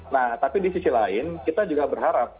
nah tapi di sisi lain kita juga berharap